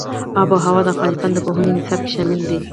آب وهوا د افغانستان د پوهنې نصاب کې شامل دي.